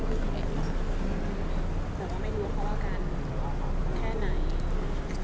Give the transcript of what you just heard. แต่ว่าไม่รู้ว่าเขาอาการแค่ไหน